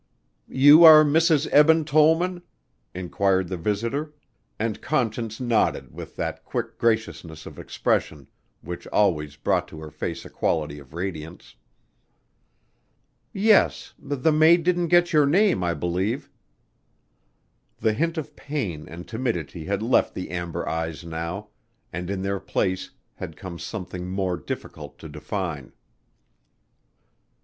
"You are Mrs. Eben Tollman?" inquired the visitor and Conscience nodded with that quick graciousness of expression which always brought to her face a quality of radiance. "Yes, the maid didn't get your name, I believe." The hint of pain and timidity had left the amber eyes now and in their place had come something more difficult to define.